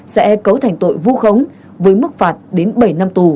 sẽ cấu thành tội vu khống với mức phạt đến bảy năm tù